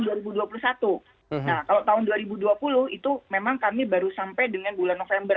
nah kalau tahun dua ribu dua puluh itu memang kami baru sampai dengan bulan november